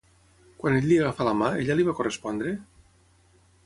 Quan ell li agafà la mà ella li va correspondre?